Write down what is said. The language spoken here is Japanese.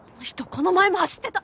この前も走ってた！